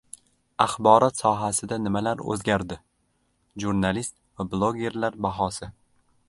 Axborot sohasida nimalar o‘zgardi? Jurnalist va blogerlar bahosi